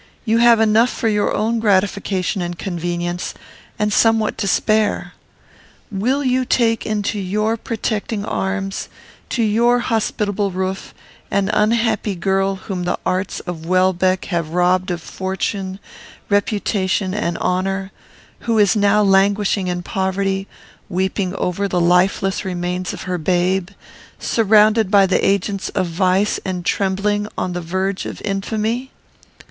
You have enough for your own gratification and convenience, and somewhat to spare. Will you take to your protecting arms, to your hospitable roof, an unhappy girl whom the arts of Welbeck have robbed of fortune, reputation, and honour, who is now languishing in poverty, weeping over the lifeless remains of her babe, surrounded by the agents of vice, and trembling on the verge of infamy?"